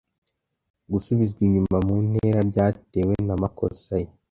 gusubizwa inyuma mu ntera byatewe na makossa ye